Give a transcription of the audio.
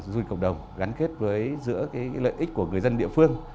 du lịch cộng đồng gắn kết với giữa lợi ích của người dân địa phương